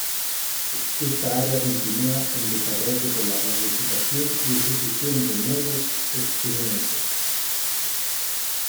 Esta área continúa en desarrollo con la planificación y ejecución de nuevos experimentos.